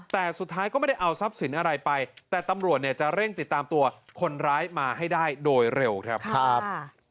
แต่สุดท้ายก็ไม่ได้เอาทรัพย์สินอะไรไปแต่ตำรวจเนี่ยจะเร่งติดตามตัวคนร้ายมาให้ได้โดยเร็วครับครับ